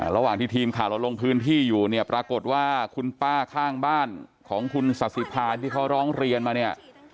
ระหว่างที่ทีมข่าวเราลงพื้นที่อยู่เนี่ยปรากฏว่าคุณป้าข้างบ้านของคุณศาสิภาที่เขาร้องเรียนมาเนี่ย